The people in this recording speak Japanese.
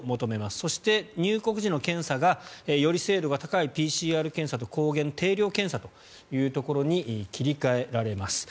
そして、入国時の検査がより精度が高いＰＣＲ検査と抗原定量検査というところに切り替えられます。